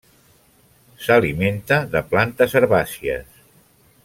S'alimenta de plantes herbàcies.